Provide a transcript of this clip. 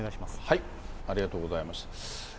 ありがとうございます。